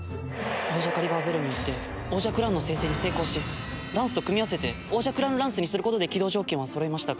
オージャカリバーＺＥＲＯによってオージャクラウンの生成に成功しランスと組み合わせてオージャクラウンランスにすることで起動条件はそろいましたが。